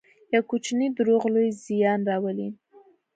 یو کوچنی دروغ لوی زیان راولي.